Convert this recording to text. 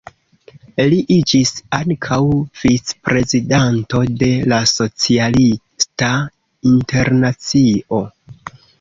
Li iĝis ankaŭ vicprezidanto de la Socialista Internacio.